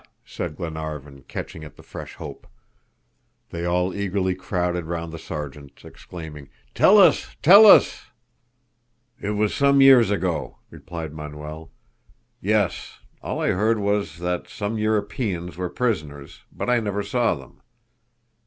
said Glenarvan, catching at the fresh hope. They all eagerly crowded round the Sergeant, exclaiming, "Tell us, tell us." "It was some years ago," replied Manuel. "Yes; all I heard was that some Europeans were prisoners, but I never saw them."